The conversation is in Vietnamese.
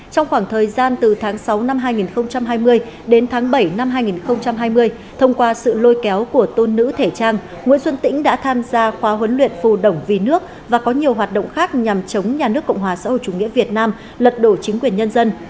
trong khoảng thời gian từ tháng sáu năm hai nghìn hai mươi đến tháng bảy năm hai nghìn hai mươi thông qua sự lôi kéo của tôn nữ thể trang nguyễn xuân tĩnh đã tham gia khóa huấn luyện phù đồng vì nước và có nhiều hoạt động khác nhằm chống nhà nước cộng hòa xã hội chủ nghĩa việt nam lật đổ chính quyền nhân dân